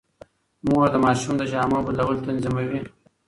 مور د ماشوم د جامو بدلول تنظيموي.